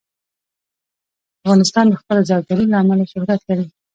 افغانستان د خپلو زردالو له امله شهرت لري.